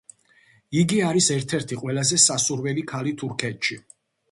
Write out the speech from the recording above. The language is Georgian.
იგი არის ერთ-ერთი ყველაზე სასურველი ქალი თურქეთში.